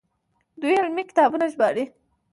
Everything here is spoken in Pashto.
دوی علمي کتابونه ژباړي.